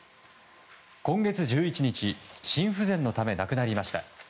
今月１１日心不全のため亡くなりました。